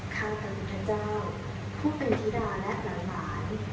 ข้าพระพุทธเจ้าผู้เป็นธิดาและหลาย